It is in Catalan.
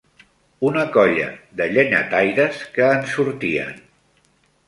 Una colla de llenyataires que en sortien